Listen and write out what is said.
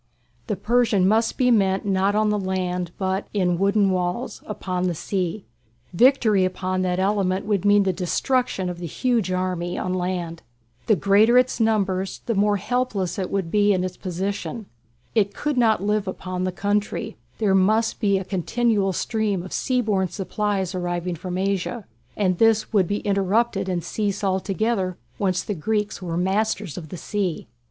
The Persian must be met not on the land, but in "wooden walls" upon the sea. Victory upon that element would mean the destruction of the huge army on land. The greater its numbers the more helpless would be its position. It could not live upon "the country"; there must be a continual stream of sea borne supplies arriving from Asia, and this would be interrupted and cease altogether once the Greeks were masters of the sea.